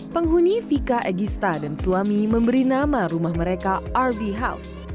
penghuni vika egista dan suami memberi nama rumah mereka rv house